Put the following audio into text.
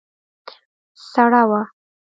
سړه وه.